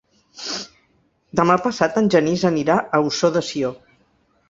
Demà passat en Genís anirà a Ossó de Sió.